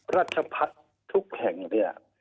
ราชพัฒน์ทุกแห่งเนี่ย